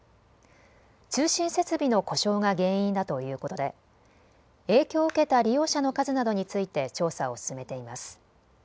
通信設備の故障が原因だということで影響を受けた利用者の数などについて調査を進めています。